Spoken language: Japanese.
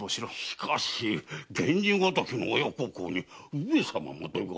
しかし源次ごときの親孝行に上様までが。